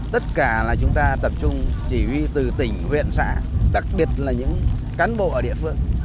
tất cả là chúng ta tập trung chỉ huy từ tỉnh huyện xã đặc biệt là những cán bộ ở địa phương